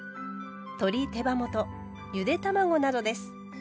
鶏手羽元ゆで卵などです。